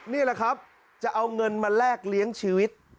นี่แหละครับจะเอาเงินมาแลกเลี้ยงชีวิต